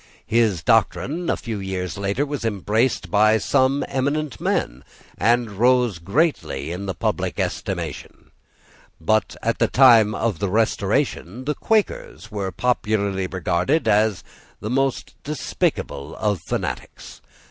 His doctrine, a few years later, was embraced by some eminent men, and rose greatly in the public estimation. But at the time of the Restoration the Quakers were popularly regarded as the most despicable of fanatics.